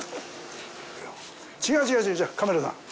違う、違う、違う、カメラさん。